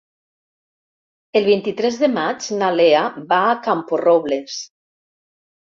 El vint-i-tres de maig na Lea va a Camporrobles.